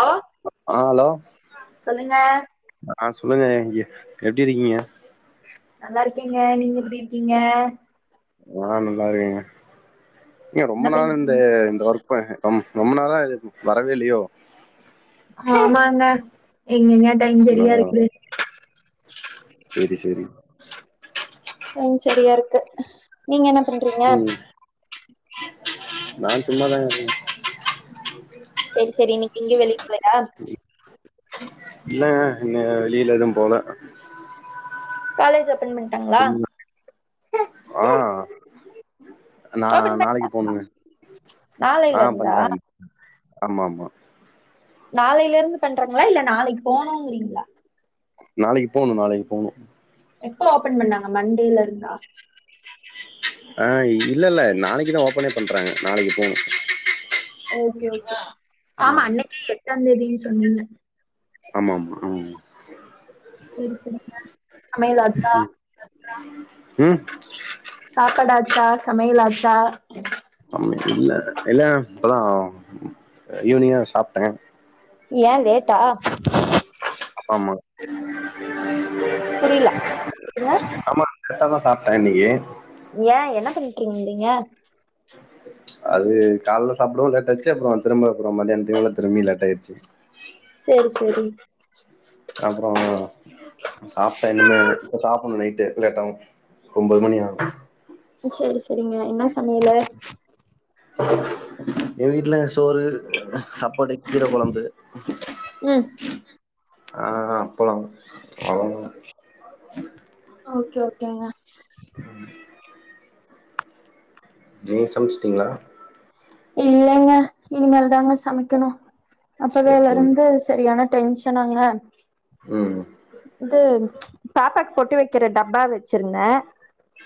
Hello ஆஹ் hello சொல்லுங்க ஆ சொல்லுங்க எப் எப்டி இருக்கீங்க நல்லா இருக்கேங்க நீங்க எப்டி இருக்கீங்க ஆஹ் நல்லா இருக்கீங்க ஏங் ரொம்ப என்ன நாள் இந்த பண்ணிருக்கீங்க இந்த ஒர்க் ப ம் ரொம்ப நாளா வரவே இல்லையோ ஆமாங்க எங்கங்க டைம் சரியா இருக்குது செரி செரி ம் சரியா இருக்கு நீங்க என்ன பண்றீங்க ம் நா சும்மா தாங்க இருக்கே செரி செரி இன்னிக்கு எங்கயு வெளிய போலயா இல்ல என்ன வெளியில எதுவு போல காலேஜ் ஓபன் பண்டாங்களா ஆஹ் நா ஓபன் நாளைக்கு பண்ட்டாங்களா போணுங்க நாளைல ஆஹ் இருந்தா பண்ட்டாங்க ஆமா ஆம்மா நாளையில இருந்து பண்றாங்களா இல்ல நாளைக்கு போணுங்கிறிங்ளா நாளைக்கு போணு நாளைக்கு போணு எப்ப ஓபன் பண்ணாங்க மண்டேல இருந்தா ஆஹ் இல்ல இல்ல நாளைக்குதா ஓபனே பண்றாங்க நாளைக்கு போணு ஓகே ஓகே ஆமா ம் அன்னைக்கி எட்டாதேதின்னு சொன்னீங்க ஆமா ஆமா அஹ் செரி செரிங்க சமையலாச்சா உம் சாப்பாடாச்சா சமையலாச்சா அம்மாயில்ல இல்ல இப்பதா ஈவினிங்தா சாப்ட்டே ஏ லேட்டா அப்பா அம்மா புரியல எப்டி சொன்ன ஆமா கரெட்டா தா சாப்டே இன்னக்கி ஏன் என்ன பண்ணிட்டுருந்தீங்க அது கால்ல சாப்டவு லேட் ஆயிச் அப்றோ திரும்ப அப்றோ மத்தியான்த்து மேல திரும்பி லேட் ஆயிருச்சி சேரி சேரி அப்றோ சாப்ட்டே இன்னிமே இப்ப சாப்ணு நைட்டு ல லேட்டாவு ஒம்பது மணி ஆகு செர் செரிங்க என்ன சமையலு எ வீட்ல சோறு சாப்பாடு கீர குழம்பு ம் ஆ அப்பளம் அவ்லோதா ஆ ஓகே ஓகேங்க [inaudible] நீங்க சமச்சிட்டீங்ளா இல்லங்க இனிமேல்தாங்க சமைக்கணு சரி அப்பவேல சரி இருந்து சரியான டென்ஷ ஷனாங்க ம் இது பாப்பாக்கு பொட்டு வெக்கிற டப்பா வச்சிருந்தே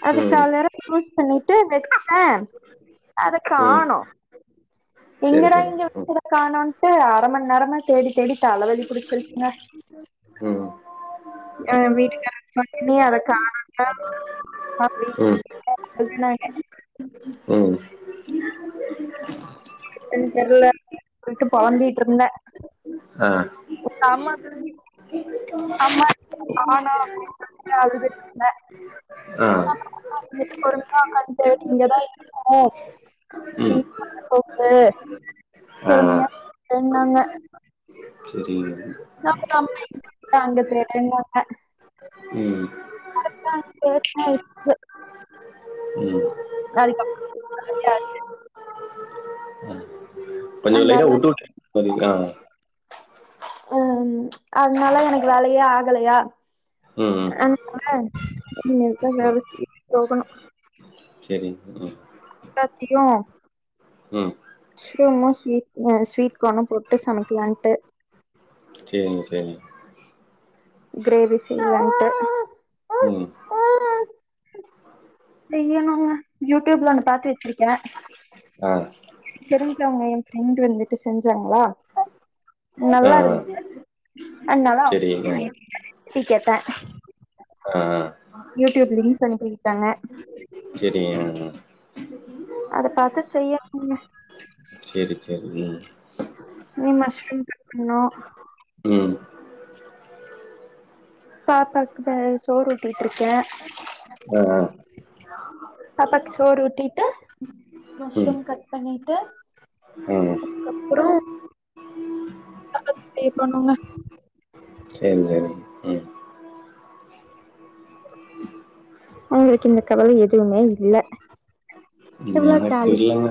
அது ம் காலர யூஸ் பண்ணிட்டு வச்சே அத ம் காணு சரி எங்கடா சரி இங்க ம் வச்சத காணோன்ட்டு அர மண் நேரமா தேடி தேடி தலவலி புடிச்சிருச்சுங்க ம் ஏ வீட்டுகாரர்க்கு ஃபோன் பண்ணி அத காணுன்டா அப்டினு ம் அதுனால ம் எனக் தெர்ல விட்டு பொலம்பிட்ருந்த அ ஆமா அம்மா ஆனா அப்டின் சொல்லிட்டு அழுதுட்ருந்தே ஆ [inaudible] பொறுமையா ஒக்காந் தேடு இங்கதா இருக்கு ம் [unintelligible] ஆ ஆ பொறும்யா ன்னாங்க செரிங்க நா கூப்டா அம்மா இங்கே தேடு அங்க தேடுன்வாங்க ம் [unintelligible] ம் [unintelligible] கொஞ்ச லைட்டா அதனால வுட்டு வுட்டு கேக்ற மாரி ஆ ம் அதனால எனக்கு வேலையே ஆகலையா ம் ம் அதனால [unintelligible] போகணும் சேரி உடுங்க எல்லாத்தியு ம். மஷ்ரூமு ஸ்வீட் ஸ்வீட் கானு போட்டு சமைக்கலான்ட்டு செரிங்க செரி கிரேவி செய்யலான்டு ம். செய்யனுங்க யூடிப்ல ஒன்னு பாத்து வச்சிருக்கே ஆ, தெரிஞ்சவங்க எ ஃபிரண்டு வந்துட்டு செஞ்சாங்களா நல்லா இருந் அண்ணாளா தெரிலங்க டீ கெட்டே அ யூடியூப் லிங்க் அனுப்பி இர்க்காங்க செரிங்க அத பாத்து செய்யனுங்க செரி செரிங்க இனி மஷ்ரூம் கட் பண்ணு ம் பாப்பாக்கு இப்ப சோறு ஊட்டிட்டு இருக்க அ அ பாப்பாக்கு சோறு ஊட்டிட்டு மஷ்ரூம் கட் பண்ணிட்டு ம் அதுக்கப்புறோ பாப்பாக்கு பே பண்ணுங்க சேரிங் சேரிங் அவங்களுக்கு இந்த கவல எதுவுமே இல்ல எவ்ள ஆச்சு இல்லன்னா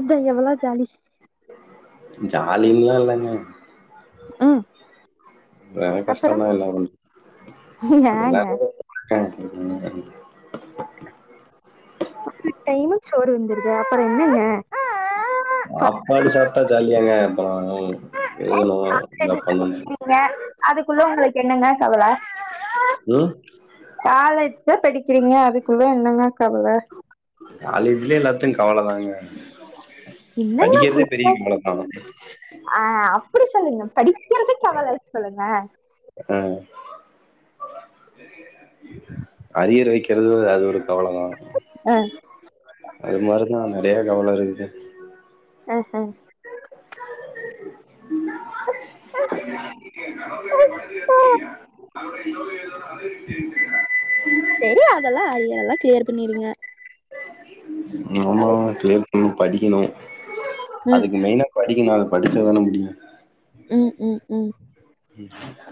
அதா எவ்ளா ஜாலி ஜாலின்லா இல்லங்க ம் என அப்புறோ கஷ்டந்தா எல்லா பண் ஏங்க அந்த டைமுக்கு சோறு வந்துருது அப்புறோ என்னங்க சாப்பாடு சாப்ட்டா ஜாலியாங்க எந்த நாளும் எதுனாலு [inaudible] அதுக்குள்ள உங்களுக் என்னங்க கவல ம் காலேஜ் தா படிக்கிறீங்க அதுக்குள்ள என்னங்க கவல காலேஜ்லே எல்லாத்துக் கவல தாங்க என்னங்க [inaudible] படிக்கிறதே பெரிய கவல தான் ஆ அப்டி சொல்லுங்க படிக்குறதுக் கவலனு சொல்லுங்க அ [inaudible] அரியர் வைக்கிறது அது ஒரு கவல தா அ அது மாரி தா நெறய கவல இருக்குது அ ஹ செரி அதெல்லா அரியர் எல்லா க்ளீயர் பண்ணிருங்க [inaudible] [unintelligible] ஆ க்ளியர் பண்ணு படிக்கணு ம் அதுக்கு மெய்னா படிக்கணு அத படிச்ச தான முடியு ம் ம் ம் ம்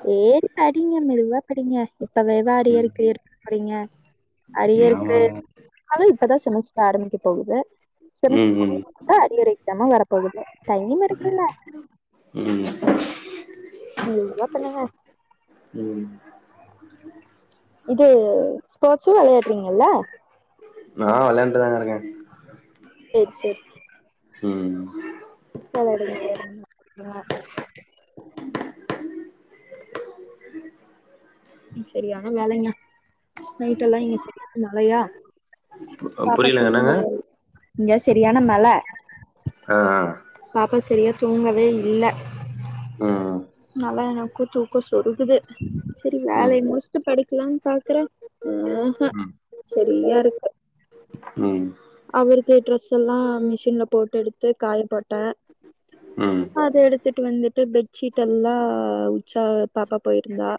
செரி படிங்க மெதுவா படிங்க இப்பவேவா அரியர ம் க்க இருக்க படிங்க அரியருக்கு ஆமாங்க அதா இப்பதா செமஸ்டர் ஆரம்பிக்கப் போகுத ம் ம் செமஸ்டர் [inaudible] அரியர் எக்ஸாமு வரப்போகுது டைம் இருக்குல்ல ம் [unintelligible] பண்ணுங்க ம் இது ஸ்போர்ட்ஸூ வெளையாடுறீங்கல்ல ஆ வெளாண்ட்டு தாங்க இருக்கே செரி செரி ம் விளாடுங்க விளாடுங்க ஓகேவா சரியான வேலைங்க நைட் எல்லா இங்க சரியான மழையா பாப்பா புரியலங்க துங்கவே என்னங்க இல்ல இங்க சரியான மழ அ ஆ பாப்பா சரியா தூங்கவே இல்ல ஆ ம் அனாலா எனக்கு தூக்கோ சொருகுது செரி ம் வேல முடிச்ட்டு படுக்கலான் பாக்குறே ம் ஹூ சரியா இருக்கு ம் அவருது டிரெஸ் எல்லா மிஷின்ல போட்டு எடுத்து காய போட்ட ம் ம் அத எடுத்துட்டு வந்துட்டு பெட்ஷீட் எல்லா உச்சா பாப்பா போயிருந்தா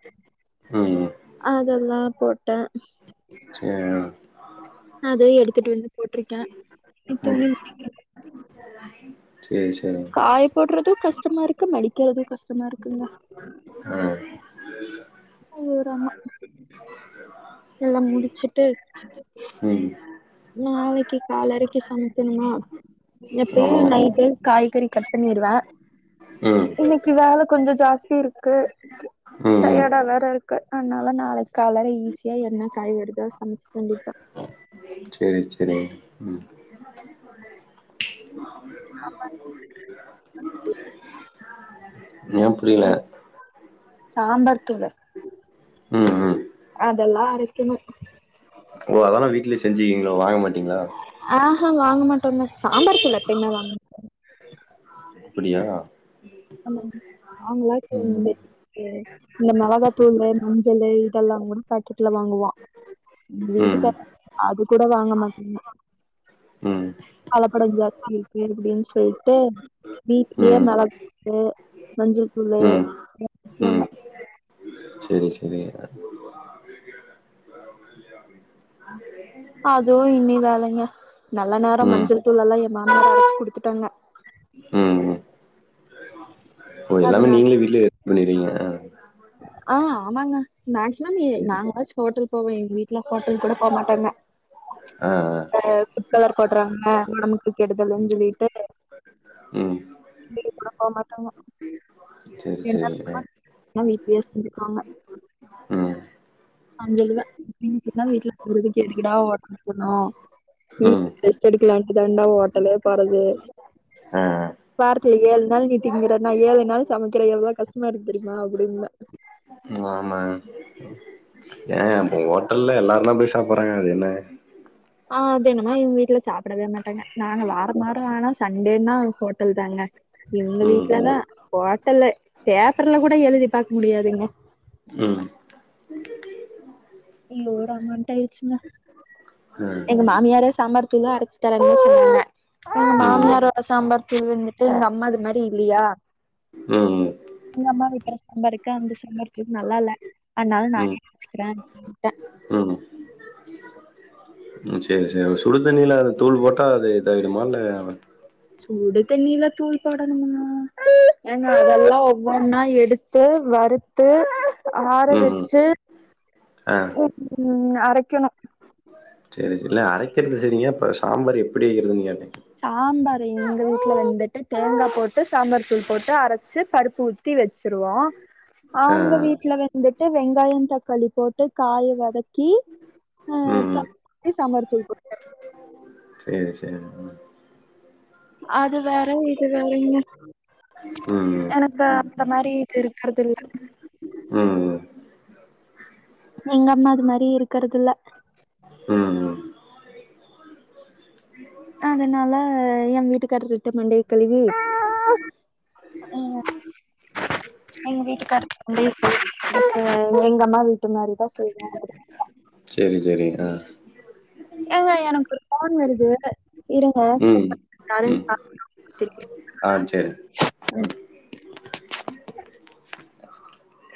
ம் அதெல்லா போட்ட சேர் அதயு எடுத்துட்டு வந்து போட்டிருக்கே இன்னு ம் துணி மடிக்கனு சேரி சேரி போட்றது கஷ்டமா இருக்கு மடிக்கிறது கஷ்டமா இருக்குங்க ஆ ஐயோ ராமா எல்லா முடிச்சுட்டு ம் நாளிக்கி காலரிக்கு சமைக்கணுமா எப்பயு ஆமா நைட்டு காய்கறி கட் பண்ணிருவே ம் இன்னிக்கி வேல கொஞ்சோ ஜாஸ்தி இருக்கு ம் ம் டயர்டா வேற இருக்கு அதனால நாளிக்கி காலில ஈஸியா என்ன காய் வருதோ சமச்சுக்க வேண்டியதா சேர் சேரி ம் சாம்பார் ஏன் புரியல சாம்பார் தூளு ம் ம் அதெல்லா அரைக்கணு ஓ அதெல்லா வீட்லயே செஞ்சுக்குவீங்களோ வாங்க மாட்டீங்களா ஆஹா வாங்க மாட்டோங்க சாம்பார் தூள் எப்பயுமே வாங்க அப்படியா ஆமா ஆமா ம் [inaudible] இந்த மொளகா தூளு மஞ்சளு இதெல்லா கூட பாக்கெட்ல வாங்குவோ எங்க ம் வீட்டுக்கார் அது கூட வாங்க மாட்டங்க ம் கலப்படோ ஜாஸ்தி இருக்கு அப்டின்னு சொல்ட்டு வீட்லயே ம் மெளகு கு மஞ்சள் தூளு [inaudible] செரி செரி அதுவு இன்னி வேலங்க நல்ல நேரோ ம் மஞ்சள் தூள் எல்லா ஏ மாமியார் அரச்சு குடுத்துட்டாங்க ம் ம் ஓ எல்லாமே அதனால நீங்களே வீட்லயே [unintelligible] பண்ணிருவிங்க ஆ ஆமாங்க மேக்சிமம் சேரி நாங்களாச்சு ஹோட்டல் போவோ எங்க வீட்ல ஹோட்டல் கூட போமாட்டாங்க ஆ ஃபுட் கலர் போட்றாங்க ஒடம்புக்கு கெடுதலன்னு சொல்லிட்டு ம் வெளிய கூட போ மாட்டாங்க சேரி என்ன சேரி ஆ வேணுமோ அல வீட்லயே செஞ்சுக்குவாங்க ம் [unintelligible] எதுக்கடா ஹோட்டல் போணு ம் வீட்ல ரெஸ்ட் எடுக்கலாண்டு தாண்டா ஓட்டலே போறது ஆ வாரத்துல ஏழு நாள் நீ திங்குற நா ஏழு நாள் சமைக்கிற எவ்ளோ கஷ்டமா இருக்கு தெரியுமா அப்டின்னுவ ஆமா [unintelligible] ஹோட்டல்ல எல்லாருந்தா போய் சாப்பிட்றாங்க அது என்ன ஆ அது என்னமோ எங்க வீட்ல சாப்பிடவே மாட்டாங்க நாங்க வாரோ வாரோ ஆனா சண்டேன்னா ஹோட்டல் தாங்க இவுங்க ம் ம் வீட்லதா ஹோட்டலு பேப்பர்ல கூட எழுதி பாக்க முடியாதுங்க ம் ஐயோ ராமாண்டு ஆயிடுச்சுங்க ம் எங்க மாமியாரே சாம்பார் தூளு அரச்சி தரேன்னு சொன்னாங்க எங்க ம் மாமியாரோட சாம்பார் தூள் வந்துட்டு எங்க அம்மாது மாரி இல்லியா ம் ம் எங்க அம்மா வெக்கிற சாம்பாருக்கு அந்த சாம்பாருக்கு நல்லால்ல அதனால ம் நானே வெச்சுக்கிறே அப்டின்டே ம் ம் ம் சேரி சேரி சுடுதண்ணியில அது தூள் போட்டா அது இதாயிருமா இல்ல சூடு தண்ணில தூள் போடணுமா ஏங்க அதெல்லா ஒவ்வொன்னா எடுத்து வறுத் த்து ஆற ம் ம் வெச்சி ஆ உ அரைக்கணு சேரி சேரி இல்ல அரைக்கிறது சேரிங்க இப்போ சாம்பார் எப்டி வெக்கிறதுன்னு கேட்டே சாம்பார் எங்க உட்ல வந்துட்டு தேங்கா போட்டு சாம்பார் தூள் போட்டு அரச்சி பருப்பு ஊத் தி வெச்சிருவோ ஆ அவுங்க ஆ வீட்ல வந்துட்டு வெங்காயோ தக்காளி போட்டு காய வதக்கி ஆ பருப்ப ஊத்தி சாம்பார் தூள் போட்ட உ சேரி சேரி ம் அது வேற இது வேறங்க ம் ம் எனக்கு அந்த மாரி இது இருக்கறதில்ல ம் ம் எங்க அம்மாது மாரி இருக்கறதில்ல ம் ம் அதனால எயா வீட்டுக்காரர்கிட்ட மண்டய கழுவி அ எங்க வீட்டுக்கார் [inaudible] எங்க அம்மா வீட்டு மாரிதா செய்வே அப்படி சேரி சேரி ஆ எங்க எனக்கு ஒரு ஃபோன் வருது இருங்க ம் கூப்புட்ற யாருன்னு ம் பாத்துட்டு திருப்பியு ஆ சேரி ம்